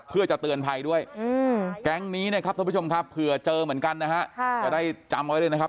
เผื่อเจอเหมือนกันนะฮะจะได้จำไว้ด้วยนะครับ